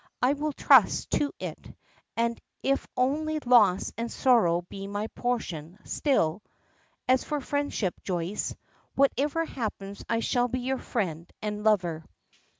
I will trust to it; and if only loss and sorrow be my portion, still As for friendship, Joyce; whatever happens I shall be your friend and lover."